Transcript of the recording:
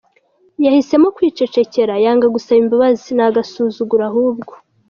Yahisemo kwicecekera yanga gusaba imbabazi, ni agasuzuguro ahubwo.